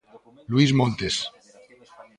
Luís Montes.